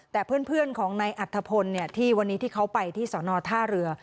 แต่เพื่อนของนายอัธพลที่วันนี้ที่เขาไปที่สอนอท่าเรือ